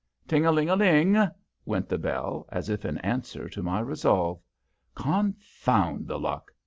"Ting a ling a ling" went the bell, as if in answer to my resolve. "Confound the luck!"